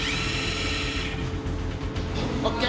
ＯＫ。